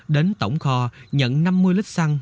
đến tổng kho nhận năm mươi lít xăng